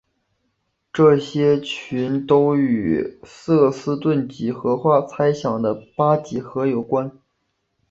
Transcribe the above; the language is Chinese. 这些群都与瑟斯顿几何化猜想的八几何有关。